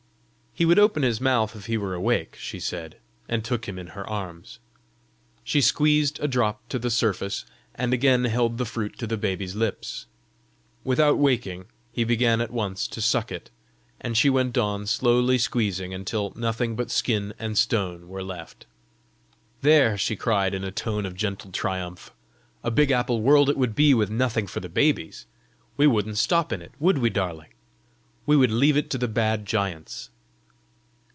"He would open his mouth if he were awake," she said, and took him in her arms. She squeezed a drop to the surface, and again held the fruit to the baby's lips. Without waking he began at once to suck it, and she went on slowly squeezing until nothing but skin and stone were left. "There!" she cried, in a tone of gentle triumph. "A big apple world it would be with nothing for the babies! We wouldn't stop in it would we, darling? We would leave it to the bad giants!"